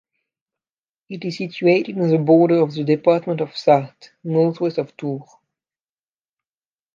It is situated on the border of the department of Sarthe, northwest of Tours.